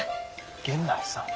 源内さん